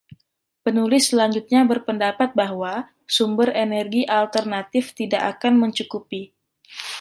Penulis selanjutnya berpendapat bahwa sumber energi alternatif tidak akan mencukupi.